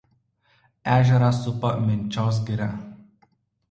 Ežerą supa Minčios giria.